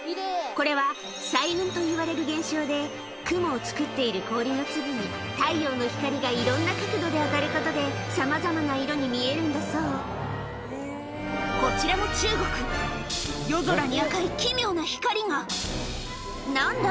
これは彩雲といわれる現象で雲を作っている氷の粒に太陽の光がいろんな角度で当たることでさまざまな色に見えるんだそうこちらも中国夜空に赤い奇妙な光が何だ？